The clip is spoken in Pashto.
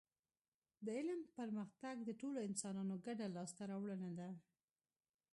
د علم پرمختګ د ټولو انسانانو ګډه لاسته راوړنه ده